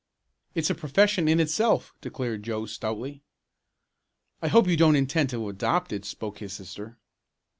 "It's a profession in itself!" declared Joe stoutly. "I hope you don't intend to adopt it," spoke his sister.